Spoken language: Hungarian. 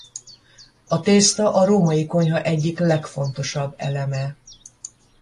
A tészta a római konyha egyik legfontosabb eleme.